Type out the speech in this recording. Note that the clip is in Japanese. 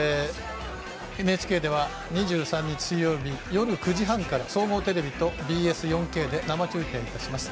ＮＨＫでは２３日、水曜日夜９時半から総合テレビとＢＳ４Ｋで生中継いたします。